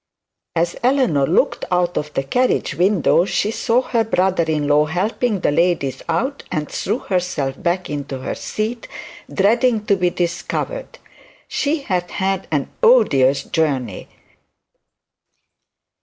As Eleanor looked out of the carriage window, she saw her brother in law helping the ladies out, and threw herself back into her seat, dreading to be discovered. She had had an odious journey.